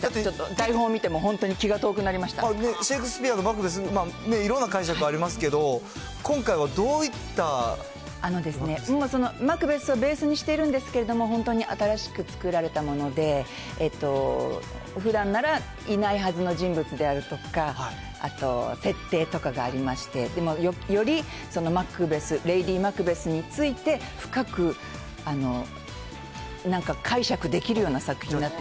台本を見ても、本当に気が遠くなシェイクスピアのマクベス、いろんな解釈ありますけど、あのですね、マクベスをベースにしているんですけれども、本当に新しく作られたもので、ふだんならいないはずの人物であるとか、あと、設定とかがありまして、よりマクベス、レイディマクベスについて、深く、なんか解釈できる作品になって。